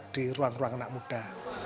di ruang ruang anak muda